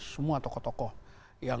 semua tokoh tokoh yang